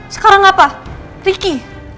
sekarang apa riki